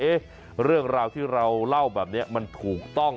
เรื่องราวที่เราเล่าแบบนี้มันถูกต้อง